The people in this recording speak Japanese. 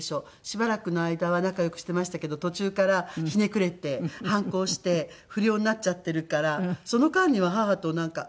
しばらくの間は仲良くしていましたけど途中からひねくれて反抗して不良になっちゃっているからその間には母となんか。